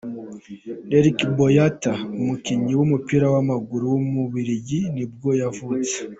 Dedryck Boyata, umukinnyi w’umupira w’amaguru w’umubiligi nibwo yavutse.